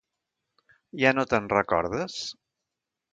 Ja no te'n recordes?